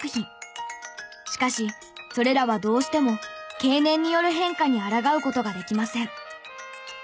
しかしそれらはどうしても経年による変化にあらがう事ができません。